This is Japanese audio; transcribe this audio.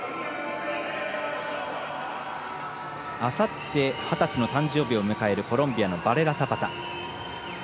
あさって二十歳の誕生日を迎えるコロンビアのバレラサパタ。